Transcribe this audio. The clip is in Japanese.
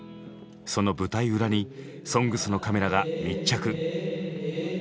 その舞台裏に「ＳＯＮＧＳ」のカメラが密着。